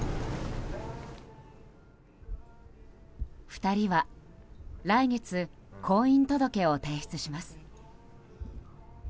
２人は来月婚姻届を提出します。